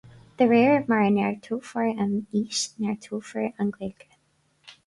De réir mar a neartófar an fhís, neartófar an Ghaeilge